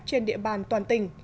trên địa bàn toàn tỉnh